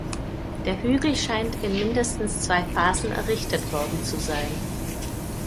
Der Hügel scheint in mindestens zwei Phasen errichtet worden zu sein.